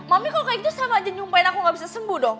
mami kalau kayak gitu selama aja nyumpain aku gak bisa sembuh dong